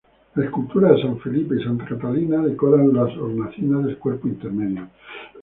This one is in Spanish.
Las esculturas de San Felipe y Santa Catalina decoran las hornacinas del cuerpo intermedio.